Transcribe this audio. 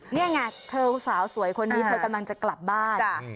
นี่ไงเธอสาวสวยคนนี้เธอกำลังจะกลับบ้าน